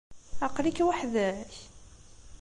Aql-ik weḥd-k?